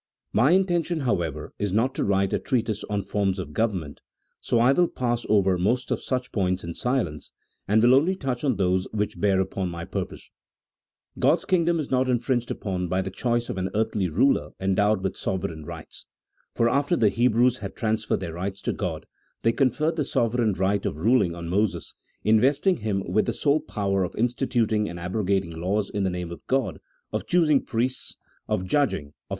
My intention, however, is not to write a trea tise on forms of government, so I will pass over most of such points in silence, and will only touch on those which bear upon my purpose. God's kingdom is not infringed upon by the choice of an earthly ruler endowed with sovereign rights ; for after the Hebrews had transferred their rights to God, they con ferred the sovereign right of ruling on Moses, investing him with the sole power of instituting and abrogating laws in the name of God, of choosing priests, of judging, of 238 A THEOLOGICO POLITICAL TREATISE. [CHAP. XVIII.